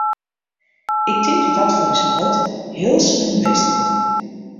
Ik tink dat dat foar ús heit heel slim west hat.